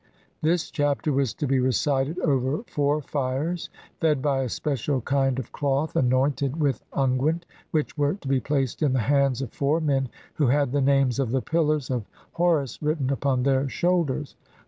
This Chapter was to be recited over four fires, fed by a special kind of cloth anoint ed with unguent, which were to be placed in the hands of four men who had the names of the pillars of Ho rus written upon their shoulders.